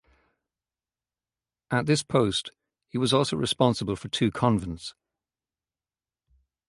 At this post he was also responsible for two convents.